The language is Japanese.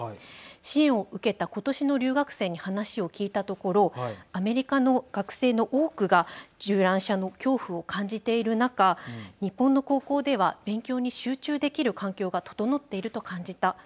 支援を受けた今年の留学生に話を聞いたところアメリカの学生の多くが銃乱射の恐怖を感じている中日本の高校では勉強に集中できる環境が整っていると感じた。